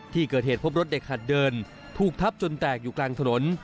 ที่เกิดเหตุพบรถเด็กหัดเดินถูกทับจนแตกอยู่กลางถนน